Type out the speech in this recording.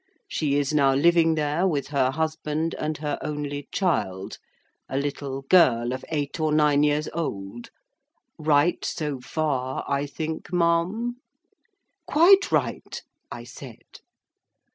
She is now living there with her husband, and her only child, a little girl of eight or nine years old. Right so far, I think, ma'am?" "Quite right," I said.